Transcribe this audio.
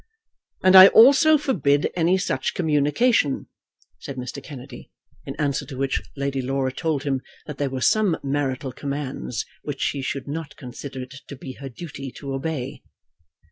"And I also forbid any such communication," said Mr. Kennedy. In answer to which, Lady Laura told him that there were some marital commands which she should not consider it to be her duty to obey.